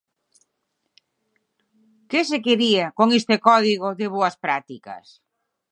¿Que se quería con este código de boas prácticas?